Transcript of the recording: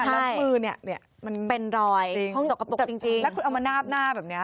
แล้วมือเนี่ยมันเป็นรอยสกปรกจริงแล้วคุณเอามานาบหน้าแบบนี้